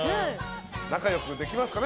仲良くできますかね。